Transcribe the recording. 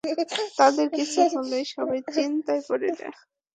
তাদের কিছু হলেই সবাই চিন্তায় পড়ে যায়।